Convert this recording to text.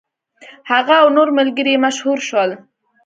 هغه او نور ملګري یې مشهور شول.